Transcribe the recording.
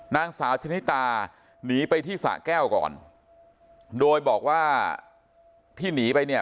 นางสาวชนิตาหนีไปที่สะแก้วก่อนโดยบอกว่าที่หนีไปเนี่ย